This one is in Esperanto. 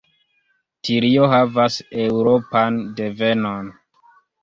Tilio havas Eŭropan devenon.